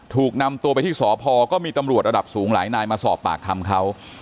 ถูกนำตัวไปที่สพก็มีตำรวจระดับสูงหลายนายมาสอบปากคำเขา